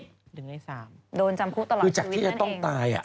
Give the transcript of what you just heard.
โดนจำคุกตลอดชีวิตนั่นเองจำคุกตลอดชีวิตนั่นเองคือจากที่จะต้องตาย